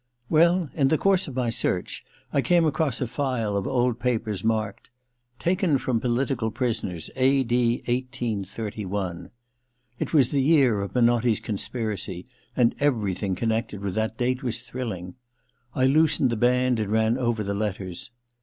Well — in the course of my search, I came across a file of old papers marked :* Taken from political prisoners, a.d. 1831.* It was the year of Menotti's conspiracy, and every thing connected with that date was thrilling. II THE LETTER 249 I loosened the band and ran over the letters.